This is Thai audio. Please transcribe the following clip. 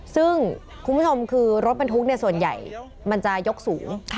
ซึ่งคุณผู้ชมคือรถบรรทุกส่วนใหญ่มันจะยกสูง